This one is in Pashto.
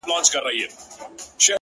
• له هر یوه سره د غلو ډلي غدۍ وې دلته,